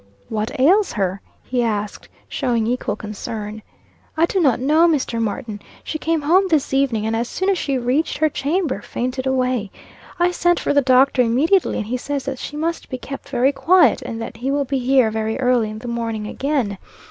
"What ails her?" he asked, showing equal concern. "I do not know, Mr. Martin. She came home this evening, and as soon as she reached her chamber fainted away. I sent for the doctor immediately, and he says that she must be kept very quiet, and that he will be here very early in the morning again.